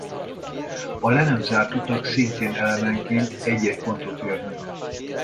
A le nem zárt utak szintén elemenként egy-egy pontot érnek.